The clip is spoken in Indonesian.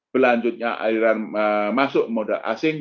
berlanjutnya airan masuk modal asing